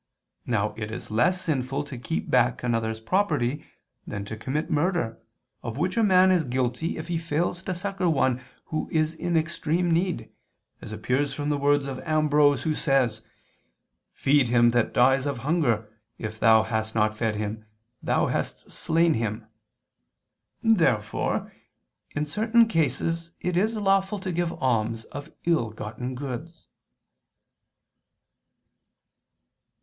Now it is less sinful to keep back another's property than to commit murder, of which a man is guilty if he fails to succor one who is in extreme need, as appears from the words of Ambrose who says (Cf. Canon Pasce dist. lxxxvi, whence the words, as quoted, are taken): "Feed him that dies of hunger, if thou hast not fed him, thou hast slain him". Therefore, in certain cases, it is lawful to give alms of ill gotten goods.